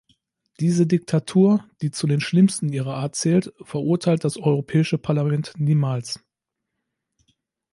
Diese Diktatur, die zu den schlimmsten ihrer Art zählt, verurteilt das Europäische Parlament niemals.